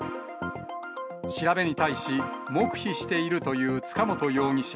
調べに対し、黙秘しているという塚本容疑者。